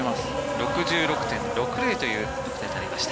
６６．６０という得点になりました。